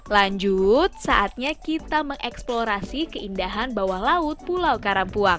lanjut saatnya kita mengeksplorasi keindahan bawah laut pulau karampuang